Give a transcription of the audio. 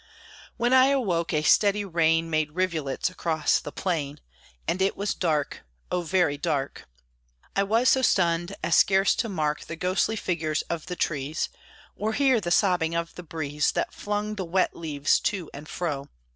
When I awoke, a steady rain Made rivulets across the plain; And it was dark oh, very dark. I was so stunned as scarce to mark The ghostly figures of the trees, Or hear the sobbing of the breeze That flung the wet leaves to and fro.